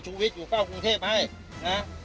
ชูวิชอยู่ก้าวกรุงเทพให้นะ